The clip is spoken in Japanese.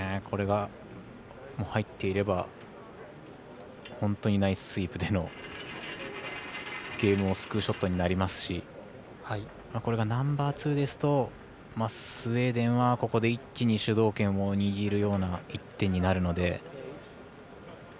これが、入っていれば本当にナイススイープでのゲームを救うショットになりますしこれがナンバーツーですとスウェーデンはここで一気に主導権を握るような一手になるので。